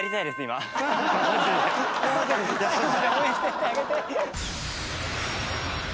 応援してってあげて。